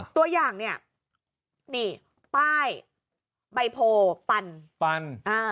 ตัวอย่างเนี่ยนี่ป้ายใบโพปันปัน